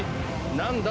何だ？